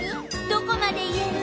どこまで言える？